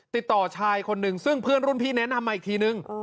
ชายคนหนึ่งซึ่งเพื่อนรุ่นพี่แนะนำมาอีกทีนึง